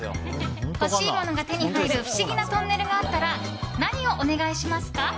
欲しいものが手に入る不思議なトンネルがあったら何をお願いしますか？